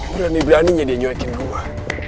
belani belaninya dia nyuakin rumah